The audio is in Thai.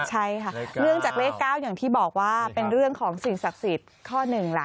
ใช่ค่ะเนื่องจากเลข๙อย่างที่บอกว่าเป็นเรื่องของสิ่งศักดิ์สิทธิ์ข้อหนึ่งล่ะ